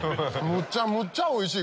むちゃむちゃおいしい！